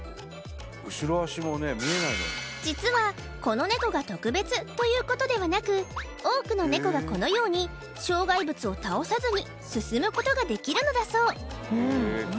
後ろ足もね見えないのに実はこのネコが特別ということではなく多くのネコがこのように障害物を倒さずに進むことができるのだそう